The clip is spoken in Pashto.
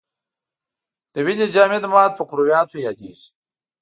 د وینې جامد مواد په کرویاتو یادیږي.